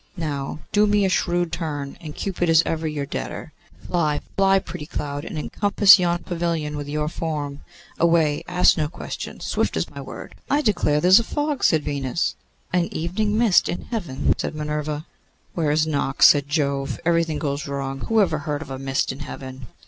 Now do me a shrewd turn, and Cupid is ever your debtor. Fly, fly, pretty cloud, and encompass yon pavilion with your form. Away! ask no questions; swift as my word.' 'I declare there is a fog,' said Venus. 'An evening mist in Heaven!' said Minerva. 'Where is Nox?' said Jove. 'Everything goes wrong. Who ever heard of a mist in Heaven?